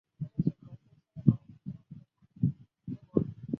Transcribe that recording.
德光岛上设有训练新兵的基本军事训练中心。